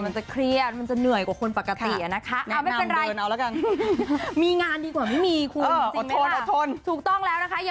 มันจะเครียดมันจะเหนื่อยกว่าคนปกติอ่ะนะคะไม่เป็นไรมีงานดีกว่าไม่มีคุณจริงไหมล่ะถูกต้องแล้วนะคะ